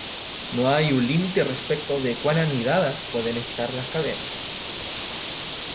No hay un límite respecto de cuán anidadas pueden estar las cadenas.